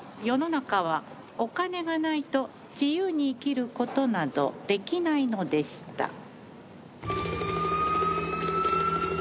世の中はお金がないと自由に生きる事などできないのでした。